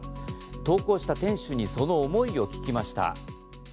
投稿した店主にその思いを聞きました。